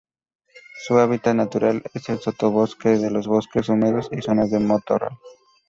Su hábitat natural es el sotobosque de los bosques húmedos y zonas de matorral.